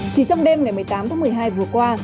chỉ trong đêm ngày một mươi tám tháng một mươi hai vừa qua